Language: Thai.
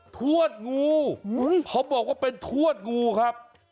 ทวดงูเขาบอกว่าเป็นทวดงูครับ